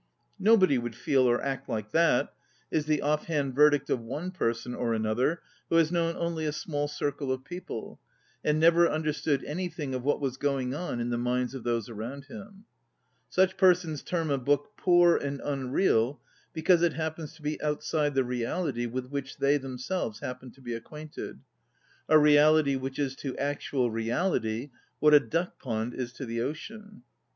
" No body would feel or act like that," is the off hand verdict of one person or another who has known only a small circle of people, and never understood anything of what was going on in the minds of those around him. Such persons term a book poor and unreal because it hap pens to be outside the reality with which they themselves happen to be acquainted, ŌĆö a reahty which is to actual reality what a duck pond is to the ocean.